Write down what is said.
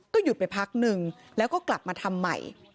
หยุดไปพักนึงแล้วก็กลับมาทำใหม่